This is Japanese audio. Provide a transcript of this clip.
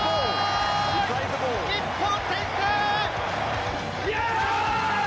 日本先制！